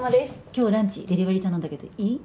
今日ランチデリバリー頼んだけどいい？